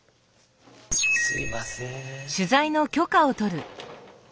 すいません。